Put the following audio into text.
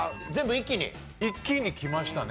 一気にきましたね。